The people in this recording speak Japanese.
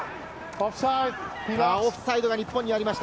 オフサイドが日本にありました。